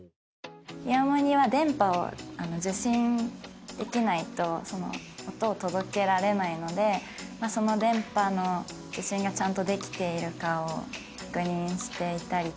イヤモニは電波を受信できないと音を届けられないので電波の受信がちゃんとできているかを確認していたり。